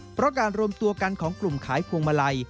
เพราะการรวมตัวกันของกลุ่มขายพวงมาลัย